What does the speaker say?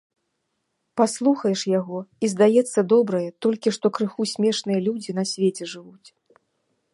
Паслухаеш яго, і здаецца, добрыя, толькі што крыху смешныя людзі на свеце жывуць.